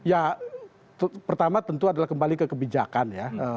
ya pertama tentu adalah kembali ke kebijakan ya